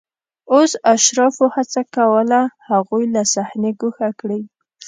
اوس اشرافو هڅه کوله هغوی له صحنې ګوښه کړي